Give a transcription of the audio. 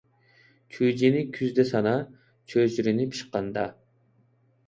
چۈجىنى كۈزدە سانا، چۆچۈرىنى پىشقاندا